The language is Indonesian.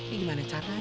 ini gimana caranya